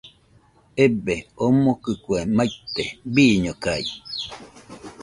Ebee, omokɨ kue maite, bɨñokaɨɨɨ